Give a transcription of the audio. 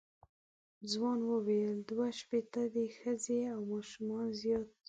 ځوان وویل دوه شپېته دي ښځې او ماشومان زیات دي.